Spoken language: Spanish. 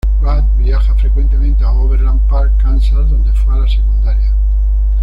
Rudd viaja frecuentemente a Overland Park, Kansas, donde fue a la secundaria.